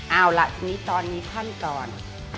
เอาละนะคะตอนนี้ขั้นก่อน